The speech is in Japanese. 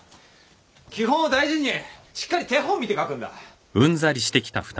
基本を大事にしっかり手本見て書くんだ。